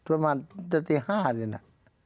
ประมาณจะตี๕นี่นะ